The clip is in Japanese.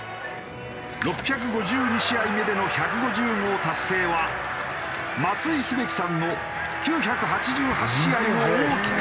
６５２試合目での１５０号達成は松井秀喜さんの９８８試合を大きく上回る。